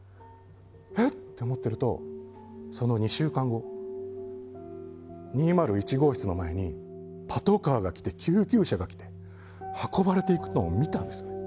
え？って思ってるとその２週間後、２０１号室の前にパトカーが来て、救急車が来て運ばれていくのを見たんですよ。